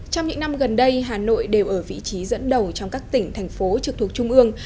trong những năm gần đây hà nội đều ở vị trí dẫn đầu trong các tỉnh thành phố trực thuộc trung ương